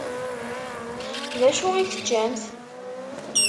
Dacu i teččamt?